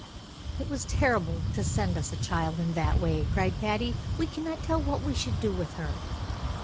"It was terrible to send us a child in that way," cried Patty. "We cannot tell what we should do with her."